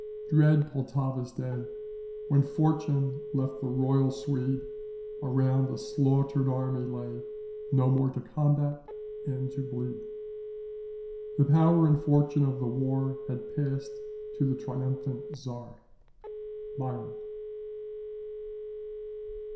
"Dread Pultowa's day, When fortune left the royal Swede, Around a slaughtered army lay, No more to combat and to bleed. The power and fortune of the war Had passed to the triumphant Czar." BYRON.